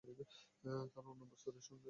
তার অন্ন-বস্ত্রের ব্যবস্থা করে।